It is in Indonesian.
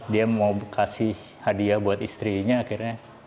dia mau kasih hadiah buat istrinya akhirnya